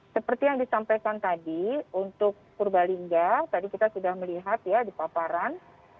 seperti yang disampaikan tadi untuk purbalingga tadi kita sudah melihat ya di paparan